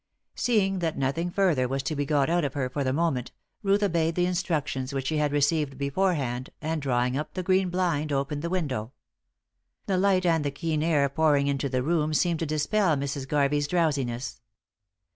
Seeing that nothing further was to be got out of her for the moment, Ruth obeyed the instructions which she had received beforehand, and drawing up the green blind, opened the window. The light and the keen air pouring into the room seemed to dispel Mrs. Garvey's drowsiness.